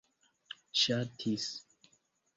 ŝatis